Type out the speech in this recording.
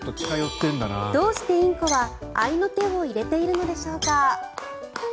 どうしてインコは合いの手を入れているのでしょうか。